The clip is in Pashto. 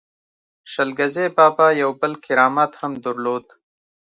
شل ګزی بابا یو بل کرامت هم درلود.